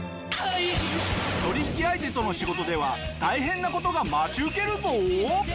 取引相手との仕事では大変な事が待ち受けるぞ。